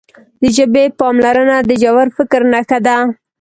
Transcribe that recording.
د ژبې پاملرنه د ژور فکر نښه ده.